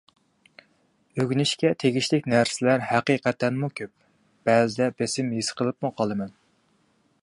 ئۆگىنىشكە تېگىشلىك نەرسىلەر ھەقىقەتەنمۇ كۆپ، بەزىدە بېسىم ھېس قىلىپمۇ قالىمەن.